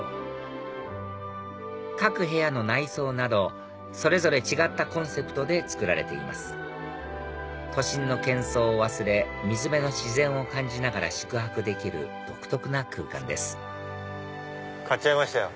各部屋の内装などそれぞれ違ったコンセプトでつくられています都心の喧噪を忘れ水辺の自然を感じながら宿泊できる独特な空間です買っちゃいましたよ。